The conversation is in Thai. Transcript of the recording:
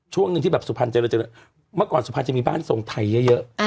ช่วงหนึ่งที่แบบสุพรรณเจริญเมื่อก่อนสุพรรณจะมีบ้านทรงไทยเยอะ